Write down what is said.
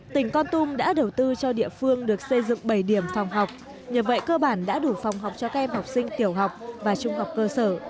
tỉnh con tum đã đầu tư cho địa phương được xây dựng bảy điểm phòng học nhờ vậy cơ bản đã đủ phòng học cho các em học sinh tiểu học và trung học cơ sở